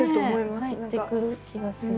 入ってくる気がする。